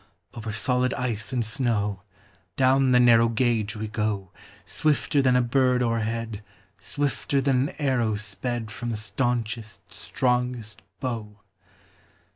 Over solid ice and snow, Down the narrow gauge we go Swifter than a bird o'erhead, Swifter than an arrow sped From the staunchest, strongest bow.